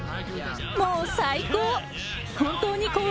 もう最高！